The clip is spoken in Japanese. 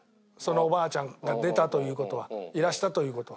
おばあちゃんが出たという事はいらしたという事は。